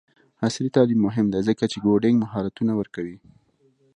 عصري تعلیم مهم دی ځکه چې کوډینګ مهارتونه ورکوي.